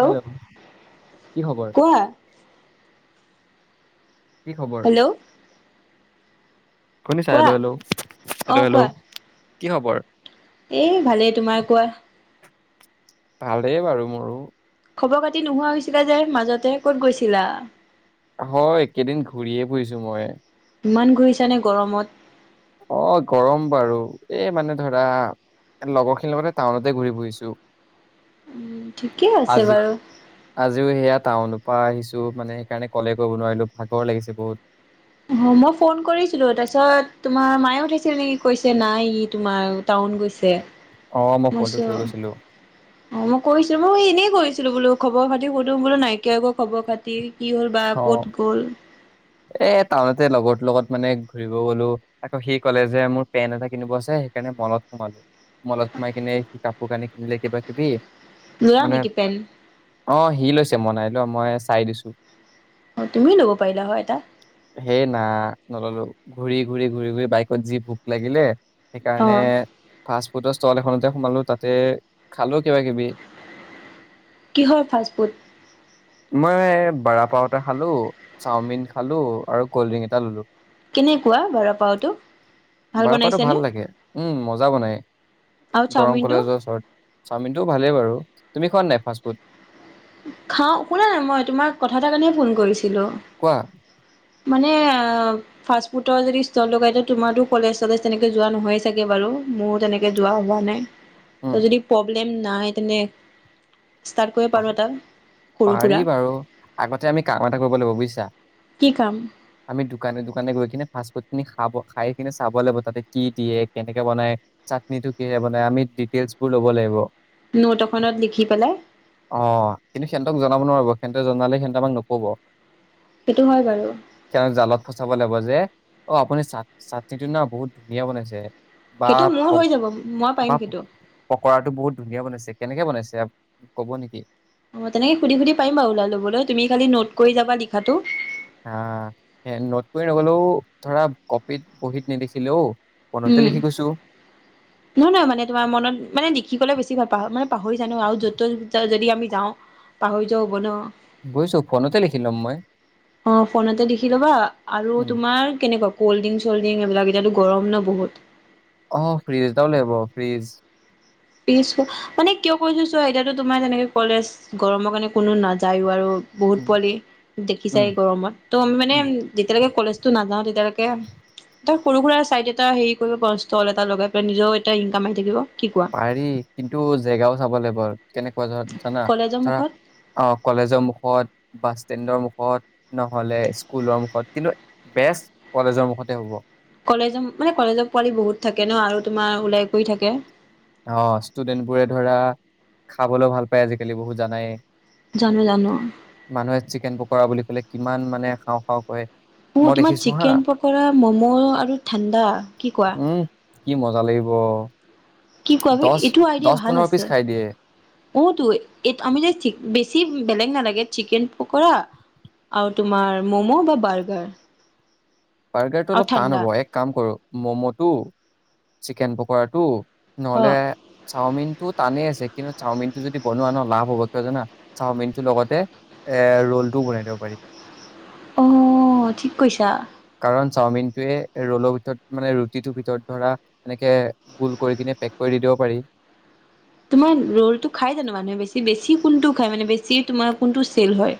Hello? কি খবৰ? কোৱা কি খবৰ হেল্ল' শুনিছা হেল্ল' কোৱা হেল্ল' হেল্ল' হেল্ল'? কি খবৰ? এ ভালেই তোমাৰ কোৱা ভালেই বাৰু মোৰো খবৰ-পাতি নোহোৱা হৈছিলে যে মাজতে, ক'ত গৈছিলা? হয় একেদিন ঘূৰিয়ে ফুৰিছো মই ইমান ঘূৰিছা নে গৰমত অ গৰম বাৰু এই মানে ধৰা লগৰখিনিৰ লগতে টাউনতে ঘূৰি ফুৰিছোঁ উম ঠিকে আছে বাৰু। আজিও সেয়া টাউনৰ আহিছো মানে সেইকাৰণে কলে কৰিব নোৱাৰিলো ভাগৰ লাগিছে বহুত অ মই ফোন কৰিছিলো তাৰপিছত তোমাৰ মায়েও কৈছিল নেকি কৈছে নাই ই তোমাৰ টাউন গৈছে অ' মই ফোনটো মইছো । থৈ গৈছিলো। অ' মই কৰিছিলোঁ- মই এনেই কৰিছিলোঁ বোলো খবৰ খাতি ক'সুধো বোলো নাইকিয়াকৈ খবৰ খাতি কি হ'ল বা অ' ক'ত গ'ল। এ টাউনতে লগৰ লগত মানে ঘূৰিব গলো আকৌ সি কলে যে মোৰ পেণ্ট এটা কিনিব আছে সেইকাৰণে মলত সোমালো মলত সোমাই কিনে সি কাপোৰ কানি কিনিলে কিবা কিবি ল'লা মানে নেকি পেন অ সি লৈছে মনাই ল মই চাই দিছো অ তুমিও ল'ব পাৰিলা হয় এটা সেই না নললো ঘূৰি ঘূৰি ঘূৰি ঘূৰি বাইকত যি ভোক লাগিলে অ সেইকাৰণে ফাষ্ট ফুড চল এখনতে সোমালো তাতে খালো কিবা কিবি কিহৰ ফাষ্টফুড মই বাৰ পৰঠা খালোঁ, চাওমিন খালোঁ, আৰু কল্ড ড্ৰিংক এটা ল'লো। কেনেকুৱা বৰা পাওটো ভাল বাৰাপাতো বনাইছেনে লাগে উম মজা বনাই আৰু দৰং চাওমিনটো। কলেজৰ ওচৰত চাওমিনটোও ভালেই বাৰু তুমি খোৱা নাই ফাষ্ট ফুড খাওঁ শুনা নাই মই তোমাৰ কথা এাৰ কাৰণেহে ফোন কৰিছিলো কোৱা মানে ফাষ্টফুডৰ যদি ইষ্টল লগাই দিওঁ তোমাৰো কলেজলে তেনে যোৱা নহয়েই চাগে বাৰু মোৰো তেনেকে যোৱা হোৱা নাই। উম ত যদি প্ৰব্ তে নাই তেনে ইস্তাত কৰিব পা- পাৰো পাৰি বাৰু। আগতে আমি কাম এটা কৰিব লাগিব বুইছা কি কাম আমি দোকানে দোকানে গৈ কিনে ফাষ্টফুডখিনি খাই কিনে চাব লাগিব, তাতে কি দিয়ে? কেনেকে বনায়? চাটনিটো কিহেৰে বনায় আমি ডিটেয়েইলচবোৰ ল'ব লাগিব। নোট এখনত লিখি পেলাই অ' কিন্তু সিহঁতক জনাব নোৱাৰিব, সিহঁতক জনালে সিহঁতে আমাক নক'ব। সেইটো হয় বাৰু তেওঁক জালত ফচাব লাগিব যে। অ আপুনি চাট চাটনিটো না বহুত ধুনীয়া বনাইছে। বা সেইটো মোৰ হৈ যাব মই পাৰিম বা সেইটো পকৰাটো বহুত ধুনীয়া বনাইছে কেনেকে বনাইছে ক'ব নেকি? অ, তেনেকে সুধি-সুধি পাৰিম বাৰু ওলাই ল'বলৈ তুমি খালি নোট কৰি যাবা লিখাটো। আহ নোট কৰি নগ'লেও ধৰা কপিত বহীত নিলিখিলেও ফোনতে উম। লিখি গৈছো নহয় নহয়, মানে তোমাৰ মনত মানে দেখিবলে বেছি [unintelligible] পাহৰি জানো আৰু য'ত তত যদি আমি যাওঁ। পাহৰি জোহবন' বুইছো ফোনতে লিখি লম মই। অ' ফোনতে দেখি ল'বা আৰু উম তোমাৰ কেনেকুৱা? কল্ড্ৰিং-চল্ড্ৰিং এইবিলাক, এতিয়াতো গৰম ন বহুত? অ' ফ্ৰিজ এটাও লাগিব, ফ্ৰিজ। পিছ মানে কিয় কৈছো চোৱা এতিয়াতো তোমাৰ তেনেকে কলেজ, গৰমৰ কাৰণে কোনো নাযায়ো আৰু বহুত উম, পোৱালি, উম, দেখিছাই গৰমত। ত' মানে উম, যেতিয়ালৈকে কলেজটো নাযাওঁ, তেতি এতিয়ালৈকে এটা সৰুসুৰা চাইড এটা হেৰি কৰিব পাৰোঁ ষ্টল এটা লগাই পেলাই নিজৰো এটা ইনকাম আহি থাকিব, কি কোৱা? হেৰি, কিন্তু জেগাও চাব লাগিব। কেনেকুৱা ধৰা জানা? কলেজৰ জানা? মুখত অ' কলেজৰ মুখত বাছ ষ্টেণ্ডৰ মুখত, নহ'লে স্কুলৰ মুখত, কিন্তু বেষ্ট কলেজৰ মুখতে হ'ব। কলেজ মানে কলেজৰ পোৱালি বহুত থাকে ন আৰু তোমাৰ ওলাই কৰি থাকে অ' ষ্টুডেন্ট বোৰে ধৰা খাবলৈ ভাল পায় আজিকালি বহুত জানাই! জানো জানো মানুহে চিকেন পকৰা বুলি ক'লে কিমান মানে খাওঁ খাওঁ কৰে মোৰ তোমাৰ চিকেন পকৰা ম'ম' আৰু ঠা, কি কোৱা? উম, কি মজা লাগিব! কি কোৱা বে! দহ এইটো আইডিয়া দহ ভাল পোন্ধৰ পিচ আছে খাই দিয়ে অতো আমি যে বেছি বেলেগ নালাগে, চিকেন প'ক'ৰা আৰু তোমাৰ মমো বা বাৰ্গাৰ। বাৰ্গাৰটো আৰু অলপ টান ঠাণ্ডা হ'ব। এক কাম কৰো ম'ম'টো, চিকেন পকৰাটো। অ নহ'লে চাওমিনটো টানেই আছে। কিন্তু চাওমিনটো যদি বনোৱা ন লাভ হ'ব কিয় জানা চাওমিনটো লগতে এ ৰোলটোও বনাই দিব পাৰি অ ঠিক কৈছা কাৰণ চাওমিনটোৱে ৰোলৰ ভিতৰত মানে ৰুটিটোৰ ভিতৰত ধৰা এনেকে গোল কৰি কিনে পেক কৰি দি দিব পাৰি তোমাৰ ৰলটো খাই জানো মানুহে বেছি বেছি কোনটো খায় মানে বেছি তোমাৰ কোনটো চেল হয়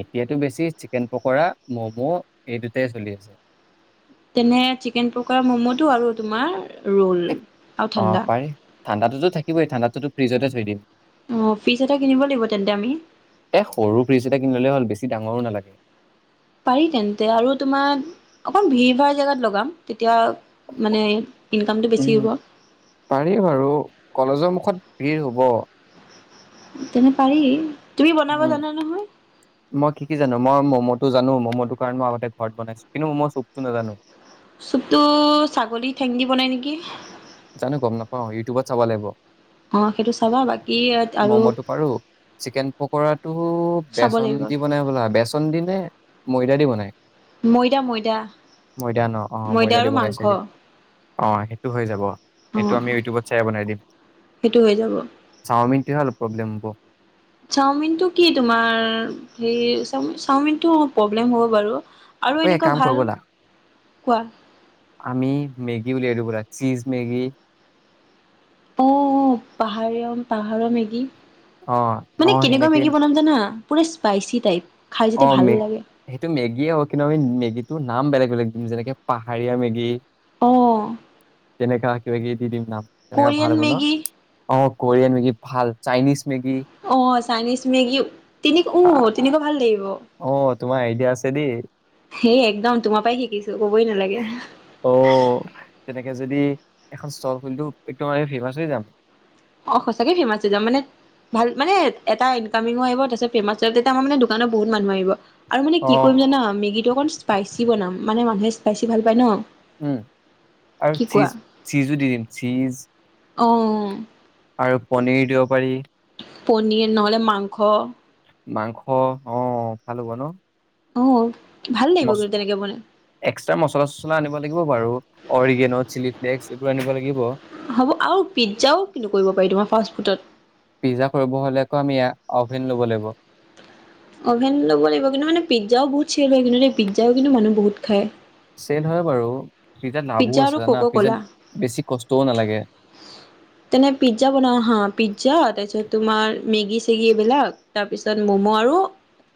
এতিয়াতো বেছি চিকেন পকোৰা ম'ম' এই দুটাই চলি আছে তেনে চিকেন পকাৰা ম'ম'তটো আৰু তোমাৰ ৰোল আৰু অ ঠাণ্ডা। পাৰি ঠাণ্ডাতোতো থাকিবই ঠাণ্ডাতোতো ফ্ৰিজতে থৈ দিম অ', ফ্ৰিজ এটা কিনিব লাগিব তেন্তে আমি। এ সৰু ফ্ৰিজ এটা কিনিললে হ'ল বেছি ডাঙৰো নালাগে পাৰি তেন্তে আৰু তোমাৰ অকণ ভিৰ ভাৰ জেগাত লগাম এতিয়া মানে ইনকামটো উম বেছি হ'ব পাৰি বাৰু কলেজৰ মুখত ভিৰ হব তেনে পাৰি তুমি বনাব উম জানা নহয় মই কি কি জানো মই ম'মোটো জানো ম'ম'টো কাৰণ মই আগতে ঘৰত বনাইছো কিন্তু ম'ম' চুপতটো নাজানো চুপতটো ছাগলী ঠেংদি বনাই নেকি জানো গম নাপাওঁ ইউটিউবত চাব লাগিব অ', সেইটো চাবা বাকী আৰু ম'ম'টো পাৰো চিকেন পকৰাটো চাব বেচন লাগিব দি বনাই বোলা বেচন দি নে ময়দা দি বনাই [unintelligible] ময়দা ময়দা ময়দা ন অ ময়দা দি আৰু বনাই মাংস চাগে অ সেইটো হৈ যাব এইটো অ', আমি ইউটিউবত চাই বনাই দিম সেইটো হৈ যাব। চাওমিনটো হল প্ৰব্লেম হব চাওমিনটো কি তোমাৰ চাওমিনটো প্ৰব্লেম হ'ব বাৰু আৰু ঐ এক এনেকুৱা কাম ভাল কৰো বলা কোৱা আমি মেগী উলিয়াই দিও বলা চিজ মেগী অ পাহাৰীয়ান পাহাৰৰ মেগি অ মানে অ কেনেকুৱা সেনেকে মেগী বনাম জানা পুৰা স্পাইচি টাইপ খাই অ যেতিয়া ভাল ম লাগে সেইটো মেগীয়ে হ কি নি মেগীটো ন নাম বেলেগ বেলেগ যেনেকে পাহাৰীয়া মেগী অঁ কেনেকা দিম ন কোৰিয়ান মেগী কৰিয়ান মেগি ভাল চাইনিজ মেগী অ চাইনিজ মেগী উ তেনেকুৱা ভাল লাগিব অঁ তোমাৰ আইডিয়া আছে দেই হেই একদম তোমাৰ পাই শিকিলো ক'বই নালাগে তাকে যদি এখন ষ্টল খুলিদিও এক ফেমাচ হৈ যাম অঁ সঁচাকে ফেৰ্মাচ হৈ যাম মানে ভাল মানে এটা ইনকামিঙো আহিব তাৰছত ফেৰ্মাচ তেতিয়া আমাৰ মানে দোকানৰ বহুত মানুহ আহিব আৰু মানে অ কি কৰিম জানা মেগীটো অকণ স্পাইচি বনাম মানে মানুহে স্পাইচি ভাল পায় ন উম আৰু কি কোৱা চীজ চীজো দি দিম চীজ অঁ আৰু পনিৰ দিব পাৰি পনীৰ নহ'লে মাংস মাংস অ ভাল হ'ব ন অ এক্সট্ৰা মচলা চচলা আনিব লাগিব বাৰু অৰিগেন' চিলি ডেক্স এইবোৰ আনিব লাগিব হ'ব আৰু পিজ্জাও কিনো কৰিব পাৰি তোমাৰ ফাষ্টফুডত পিজ্জা কৰিব হলে আকৌ আমি অভেন ল'ব লাগিব অভেন ল'ব লাগিব কিন্তু মানে পিজ্জাও বহুত চেল হয় কিন্তু দেই পিজ্জাও কিন্তু মানুহে বহুত খায় চেল হয় বাৰু পিজ্জাত লাভো পিজ্জা আছে আৰু জানা কক পিজ্জাত কলা বেছি কষ্টও নালাগে তেনে পিজ্জা বনাও হা পিজ্জা তাৰপিছত তোমাৰ মেগী চেগী এইবিলাক তাৰপিছত ম'ম' আৰু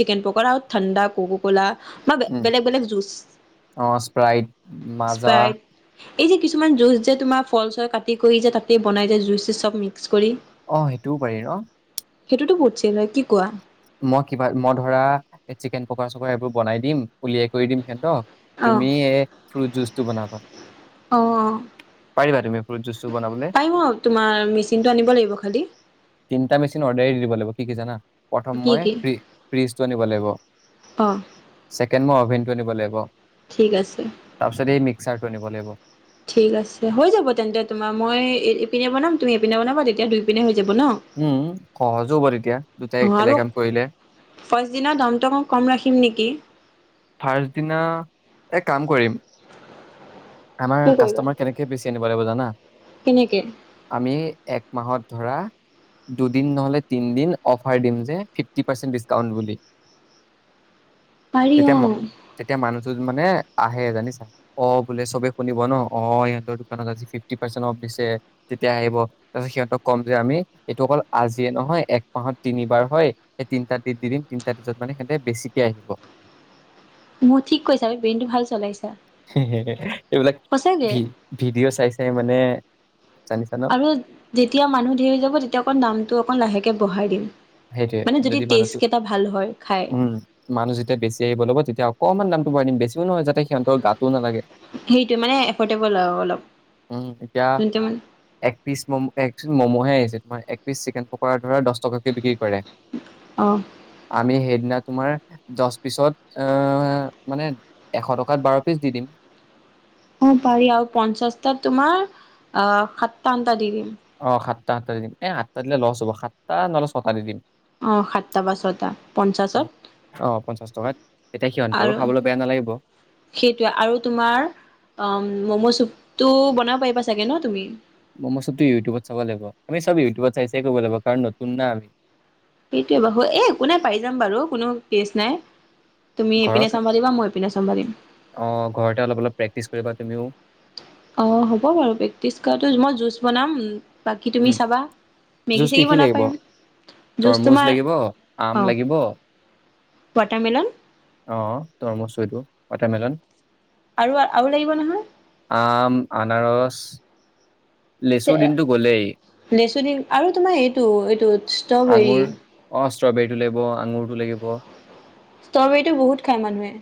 চিকেন পকৰা আৰু ঠাণ্ডা কক ক'লা বা উম বেলেগ বেলেগ জুচ অ স্প্ৰাইট মাছ স্পাইড এই যে কিছুমান জুছ যে তোমাৰ ফল চল কাটি কৰি যে তাতে বনাই যে জুছ চব মিক্স কৰি অঁ সেইটোও পাৰি ন সেইটোতো বহুত চেল হয় কি কোৱা মই কিবা মই ধৰা চিকেন পকা চকা এইবোৰ বনাই দিম উলিয়াই কৰি দিম সিহতক অঁহ অঁ অঁ পাৰিবা তুমি ফ্ৰুট জুচটো বনাবলৈ পাৰম অঁ তোমাৰ মেচিনটো আনিব লাগিব খালি তিনটা মেচিন অদাৰে দি দিব লাগিব কি কি জানা প্ৰথম কি মই কি ফ্ৰীচটো আনিব লাগিব অ ছেকেণ্ড মই অভেন নিব লাগিব ঠিক আছে নিব লাগিব ঠিক আছে হৈ যাব তেন্তে তোমাৰ মই ইপিনে বনাম তুমি ইপিনে বনাব তেতিয়া দুই পিনে হৈ যাব উম সহজো হ'ব তেতিয়া দুটাই একেলগে আৰু কাম কৰিলে প্ৰথম দিনা দামটো অকন কম ৰাখিম নেকি কি ফাৰ্ষ্ট দিনা এক কাম কৰিম আমাৰ কি কৰিবা কাষ্টমাৰ কেনেকে বেছি আনিম চলাব জানা। কেনেকে আমি এক মাহত ধৰা দুদিন নহ'লে তিনিদিন অ'ফাৰ দিম যে ফিফটি পাৰ্চেণ্ট ডিছকাউণ্ট বুলি। পাৰি অ তেতিয়া তেতিয়া মানুহ ত মানে আহে জানিছা অ। বোলে চবে শুনিব ন অ সিহঁতৰ দোকানত আজি ফিফটি পাৰ্চেণ্ট অফ দিছে তেতিয়া আহিব তাৰ পিছত সিহঁতক ক'ম যে আমি এইটো অকল আজিয়ে নহয় এক মাহত তিনিবাৰ হয় এই তিনটা ডেট দি দিম তিনটা ডেটত মানে সিহঁতে বেছিকে আহিব। মোৰ ঠিক কৈছাি ব্ৰেইন টো ভাল চলাইছে। এইবিলাক ভি ভিডিঅ' চাই চাই মানে। জানিছা ন আৰু যেতিয়া মানুহ দেৰি যাব তেতিয়া অকণ দামটো অকণ লাহে। তেতিয়া বঢ়াই দিম সেইটোয়ে মানে যদি টেষ্ট মানুহটো কেইটা ভাল হয় খাই উম মানুহ যেতিয়া বেছি আহিব ল'ব তেতিয়া অকমান দাম। ম বেছি নহয় যতে সিহঁৰ গাটো নালাগে সেইটোৱে মানে এফৰ্ডেবল আৰু অলপ উম এতিয়া যোনটো মানে এক পিচ মম এক ম'ম'হে আহিছে তম এক বিশিছ চিকেন পকৰ ধৰা দহ টকা। [unintelligible] কৰে অ আমি সেইদিনা তোমাৰ দহ পিছত এ মানে এশ টকাত বাৰ পিছ দি দিম অ পাৰি আৰু পঞ্চাশটাত তোমাৰ অ সাতটা। টা দিম। অ', সাতটা সাতটা দিম এই আঠটা দিলে লছ হ'ব সাতটা নহলে ছটা দি দিম। অ সাতটা বা ছয়টা পঞ্চাশত অ', পঞ্চাশ টকাত তেতিয়া সিহঁতৰো আৰু খাবলৈ বেয়া নালাগিব। সেইটোৱেই আৰু তোমাৰ অ উম মম' চুপ টো বনাব পাৰিবা চাগে ন তুমি? ম ম চুপ ইউটিউবত চাব লাগিব আমি চব ইউটিউবত চাই চাই কৰিব লাগিব কাৰণ নতুন ন আমি। সেইটোৱে বাৰু এ একো নাই পাই যাম বাৰু কোনো কেচ নাই। তুমি এইপিনে ঘৰত চম্ভালিবা মই এইপিনে চম্ভালিম অ ঘৰতে অলপ অলপ প্ৰেক্টিচ কৰিবা। হেল্লো অ হ'ব বাৰু প্ৰেক্টিচ কৰাটো। মই জুচ বনাম বাকী উম। তুমি চাবা মেগী জুচ কি চেগী কি বনাব লাগিব? পাৰিম জুচ তৰমুজ তোমাৰ লাগিব, আম অ লাগিব ৱাটাৰমেলন অ তৰমচটো ৱাটাৰ মেলন। আৰু আৰু লাগিব আম আনাৰস লেচুৰ দিনটো গ'লেই, লেচু দিন আৰু তোমাৰ এইটো এইটো ষ্ট্ৰবেৰী। আঙুৰ টো লাগিব। ষ্ট্ৰবেৰীটো বহুত খায় মানুহে।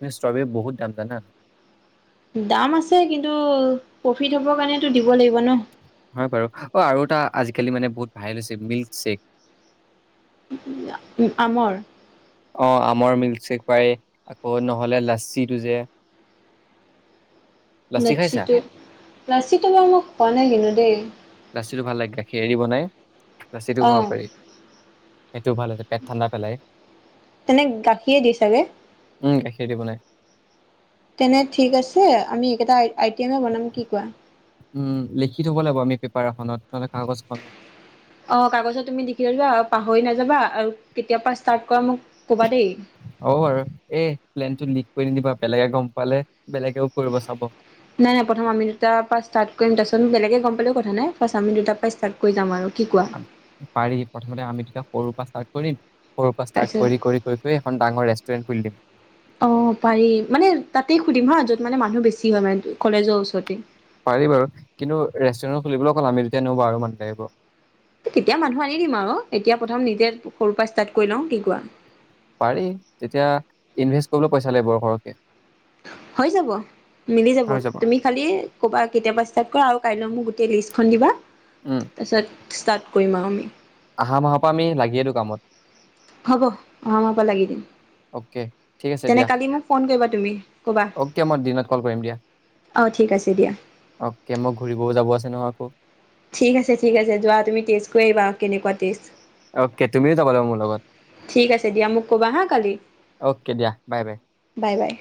তুমি ষ্ট্ৰবেৰী বহুত দাম জানা। দাম আছে কিন্তু প্ৰফিট হ'ব কাৰণেটো দিব লাগিব ন। হয় বাৰু অ আৰু এটা আজিকালি মানে বহুত ভাল হৈছে মিল্কশ্বেক। আ- আমৰ । অ' আমৰ মিল্কশ্বেক পাৰি। আকৌ নহ'লে লাচ্চিটো যে লাচ্ছি খাইছা? লাচ্চিটো। লাচ্চিটো বাৰু মই খোৱা নাই কিন্তু দেই। লাচ্চিটো ভাল লাগে গাখীৰেদি বনায়। লাচ্চিটো অ খাব পাৰি। সেইটো ভাল হৈছে পেট ঠাণ্ডা পেলাই তেনে গাখীৰে দিয়ে চাগে? উম, গাখীৰ দি বনায়। তেনে ঠিক আছে । আমি এইকেইটা আইটেমে বনাম কি কোৱা উম, লিখি থব লাগিব আমি পাৰ এখনত নহ'লে কাগজ এখনত অ' কাগজত তুমি লিখি লৈ লোৱা । অ' পাহ নাযাবা আৰু কেতিয়া পৰা ষ্টাৰ্ট কৰা মোক ক'বা দেই অ' বাৰু। এ প্লেনটো লিক কৰি নিদিবা। বেলেগে গম পালে বেলেগেও কৰিব চাব নাই - নাই, প্ৰথম আমি দুটাৰ পৰা ষ্টাৰ্ট কৰিম। তাৰপিছত ত বেলেগে গম পালেও কথা নাই । ফাৰ্চ আমি দুটাৰ পৰা ষ্টাৰ্ট কৰি যাম আৰু কি কোৱা পাৰি । প্ৰথমতে আমি দুটা সৰুৰ পৰা ষ্টা কৰিম। সৰুৰ পৰা ষ্টাৰ্ট তাৰপিছত কৰি - কৰি - কৰি - কৰি এখন ডাঙৰ ৰেষ্টুৰেন্ট খুলি দিম। অ পাৰি মানে তাতেই সুধিম হা য'ত মানে মানুহ বেছি হয় মানে, কলেজৰ ওচৰতে। পাৰি বাৰু। কিন্তু ৰেষ্টুৰেণ্ট খুলিবলৈ অকল আমি দুটাই নহব, আৰু মানুহ লাগিব । তেতিয়া মানুহ আনি দিম আৰু । এতিয়া প্ৰথম নিজে সৰুৰ পৰা ষ্টাৰ্ট কৰি লওঁ, কি কোৱা? পাৰি । তেতিয়া ইনভেষ্ট কৰিবও পইচা লাগিব সৰহকে। হয় যাব। মিলি যাব । তুমি খালি কৰবা- কেতিয়াৰ পৰা ষ্টাৰ্ট কৰা আৰু কাইলৈ মোক গোটেই লিষ্টখন দিবা। উম তাৰপিছত ষ্টাৰ্ট কৰিম আৰু আমি। আহা মাহ পৰা আমি লাগিয়ে দিও কামত । হ'ব, অহা মাহৰ পৰা লাগি দিম। অ'কে ঠিক আছে তেনে দিয়া কালি মোক ফোন কৰিবা তুমি । ক'বা। অ'কে মই দিনত কল কৰিম দিয়া অ' ঠিক আছে দিয়া। অ'কে মই [unintelligible] ঠিক আছে - ঠিক আছে । যোৱা তুমি টেষ্ট কৰি আহিবা । কেনেকুৱা টেষ্ট অ'কে । তুমিও যাবা লাগিব মোৰ লগত ঠিক আছে দিয়া মোক ক'বা হা কালি । অ'কে দিয়া । বাই - বাই। Bye bye